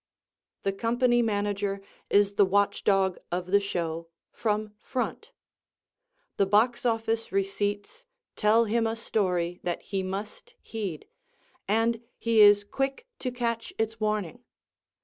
The Company Manager is the watch dog of the show from "front." The box office receipts tell him a story that he must heed, and he is quick to catch its warning.